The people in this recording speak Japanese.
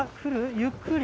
ゆっくり？